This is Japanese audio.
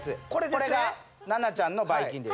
これが奈々ちゃんのばい菌です